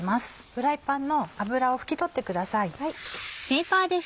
フライパンの油を拭き取ってください。